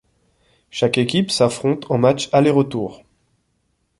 Chaque équipe s'affronte en match aller-retour.